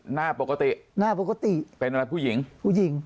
หน้าปกติหน้าปกติเป็นอะไรผู้หญิงผู้หญิง